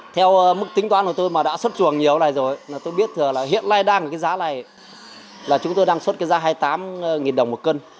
theo mức tính toán của tôi mà đã xuất chuồng nhiều này rồi tôi biết là hiện nay đang cái giá này là chúng tôi đang xuất cái giá hai mươi tám đồng một cân